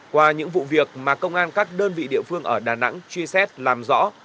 qua những vụ việc mà công an các đơn vị địa phương ở đà nẵng truy xét làm rõ